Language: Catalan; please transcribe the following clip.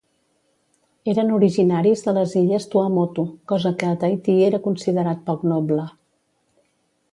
Eren originaris de les illes Tuamotu, cosa que a Tahití era considerat poc noble.